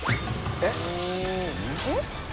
えっ？